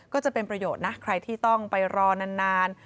ก็จะเป็นประโยชน์นะใครที่ต้องไปรอนาน